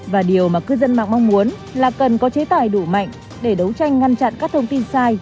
và điều mà cư dân mạng mong muốn là cần có chế tài đủ mạnh để đấu tranh ngăn chặn các thông tin sai